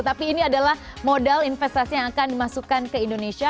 tapi ini adalah modal investasi yang akan dimasukkan ke indonesia